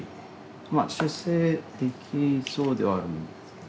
まあ修正できそうではあるんですけど。